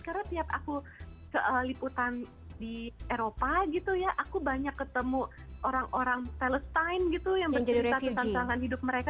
karena tiap aku ke liputan di eropa aku banyak ketemu orang orang palestine yang bercerita tentang hal hidup mereka